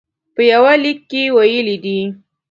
په یوه لیک کې ویلي دي.